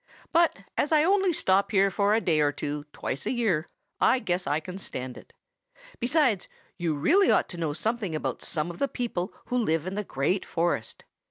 But as I only stop here for a day or two twice a year, I guess I can stand it. Besides, you really ought to know something about some of the people who live in the Great Forest.